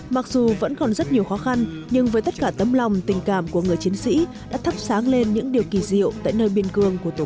mặc dù vẫn còn rất nhiều khó khăn nhưng với tất cả tấm lòng tình cảm của người chiến sĩ đã thắp sáng lên những điều kỳ diệu tại nơi biên cương của tổ quốc